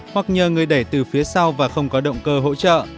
hoặc nhờ người đẩy từ phía sau và không có động cơ hỗ trợ